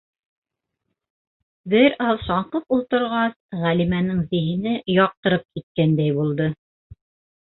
Бер аҙ шаңҡып ултырғас, Ғәлимәнең зиһене яҡтырып киткәндәй булды.